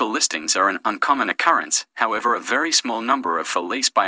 listing palsu yang tindak cepat adalah kebiasaan yang tidak biasa